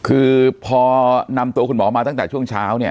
คือพอนำตัวคุณหมอมาตั้งแต่ช่วงเช้าเนี่ย